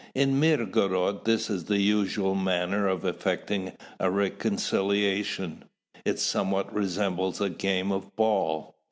In Mirgorod this is the usual manner of effecting a reconciliation: it somewhat resembles a game of ball.